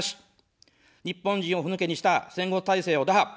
日本人をふぬけにした戦後体制を打破。